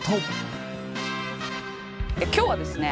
今日はですね